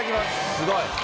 すごい！